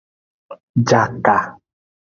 Jaka.